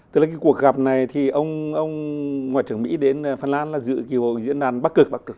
tức là cuộc gặp này thì ông ngoại trưởng mỹ đến phần lan là dự kiểu diễn đàn bắt cực